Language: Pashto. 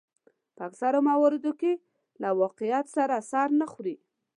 په اکثرو مواردو کې له واقعیت سره سر نه خوري.